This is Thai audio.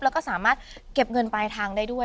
แล้วก็สามารถเก็บเงินปลายทางได้ด้วย